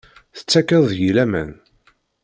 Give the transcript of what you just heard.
Tettakeḍ deg-i laman?